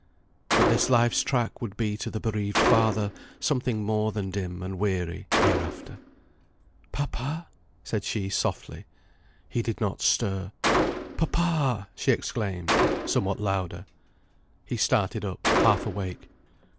But this life's track would be to the bereaved father something more than dim and weary, hereafter. "Papa," said she, softly. He did not stir. "Papa!" she exclaimed, somewhat louder. He started up, half awake.